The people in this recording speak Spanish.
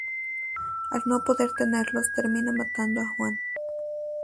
Al no poder tenerlos termina matando a Juan.